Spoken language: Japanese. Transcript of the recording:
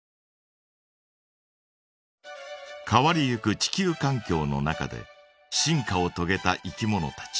変わりゆく地球かん境の中で進化をとげたいきものたち。